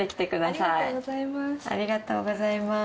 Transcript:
ありがとうございます。